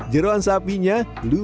jeroan sapinya lumer di mulut